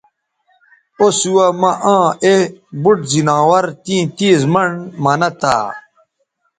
او سُوہ مہ آ اے بُوٹ زناور تیں تیز منڈ منہ تہ